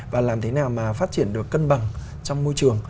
và làm thế nào mà phát triển được cân bằng trong môi trường